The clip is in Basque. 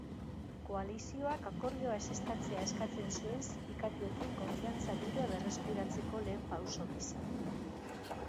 Koalizioak akordioa ezeztatzea eskatzen zuen sindikatuekin konfiantza giroa berreskuratzeko lehen pauso gisa.